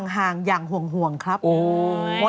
ห่างอย่างห่วงครับโอ้ย